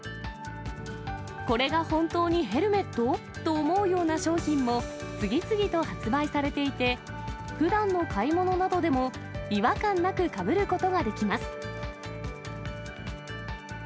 これが本当にヘルメット？と思うような商品も、次々と発売されていて、ふだんの買い物などでも違和感なくかぶることができます。